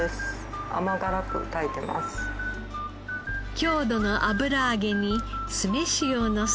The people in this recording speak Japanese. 郷土の油揚げに酢飯をのせ。